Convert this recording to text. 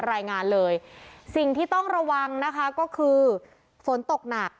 รายงานเลยสิ่งที่ต้องระวังนะคะก็คือฝนตกหนัก